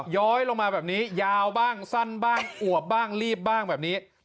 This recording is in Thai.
ย้อยลงมาแบบนี้ยาวบ้างสั้นบ้างอวบบ้างรีบบ้างแบบนี้